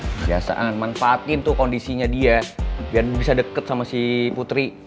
kebiasaan manfaatin tuh kondisinya dia biar bisa deket sama si putri